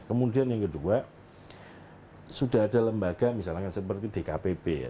kemudian yang kedua sudah ada lembaga misalkan seperti dkpb ya